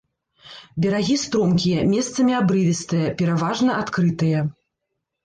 Берагі стромкія, месцамі абрывістыя, пераважна адкрытыя.